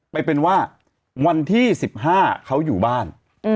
ไปเป็นว่าวันที่๑๕เขาอยู่บ้าน